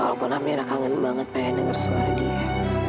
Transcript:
walaupun amira kangen banget pengen denger suara dia